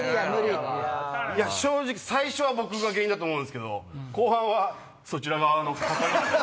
正直最初は僕が原因だと思うんですけど後半はそちら側の。